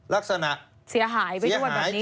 ลักษณะเสียหาย